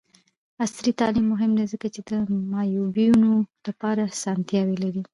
عصري تعلیم مهم دی ځکه چې د معیوبینو لپاره اسانتیاوې لري.